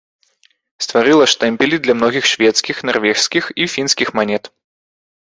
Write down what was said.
Стварыла штэмпелі для многіх шведскіх, нарвежскіх і фінскіх манет.